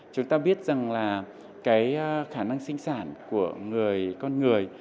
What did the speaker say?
chúng ta biết rằng là cái khả năng sinh sản của người con người